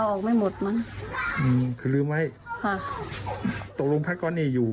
ออกไม่หมดมั้งอืมคือลืมไว้ค่ะตรงรวมผ้ากอสนี่อยู่